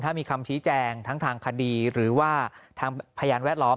ถ้ามีคำชี้แจงทั้งทางคดีหรือว่าทางพยานแวดล้อม